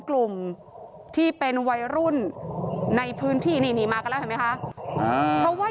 กลุ่มที่เป็นวัยรุ่นในพื้นที่นี่นี่มากันแล้วเห็นไหมคะเพราะว่า